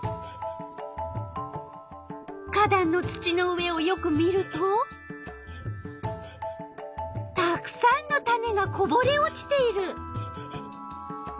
花だんの土の上をよく見るとたくさんの種がこぼれ落ちている。